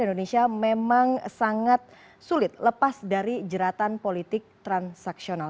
indonesia memang sangat sulit lepas dari jeratan politik transaksional